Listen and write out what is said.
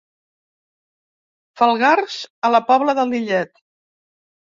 Falgars, a la Pobla de Lillet.